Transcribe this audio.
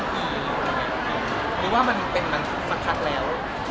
หรือว่ามันเป็นมันสักพักแล้ว